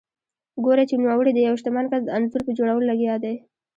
ګوري چې نوموړی د یوه شتمن کس د انځور په جوړولو لګیا دی.